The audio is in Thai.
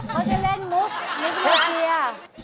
เขาจะเล่นมุฒในวันนี้